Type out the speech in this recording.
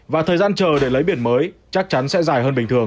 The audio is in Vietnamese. và thời gian chờ để lấy biển mới chắc chắn sẽ dài hơn bình thường